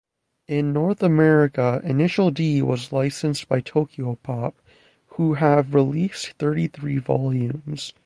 In North America, "Initial D" was licensed by Tokyopop, who have released thirty-three volumes.